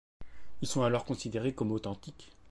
Ils sont alors considérés comme authentiques.